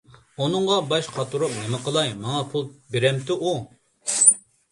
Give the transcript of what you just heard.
ئۇنىڭغا باش قاتۇرۇپ نېمە قىلاي، ماڭا پۇل بېرەمتى ئۇ!